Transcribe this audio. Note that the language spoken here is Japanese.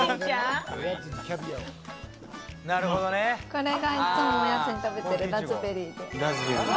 これが、いつもおやつに食べてるラズベリーです。